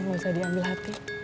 gak usah diambil hati